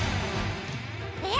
えっ！？